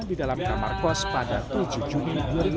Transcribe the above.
di dalam kamar kos pada tujuh juni dua ribu dua puluh